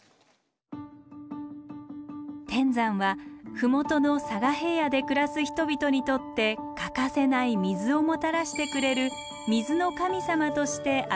天山は麓の佐賀平野で暮らす人々にとって欠かせない水をもたらしてくれる水の神様としてあがめられていたのです。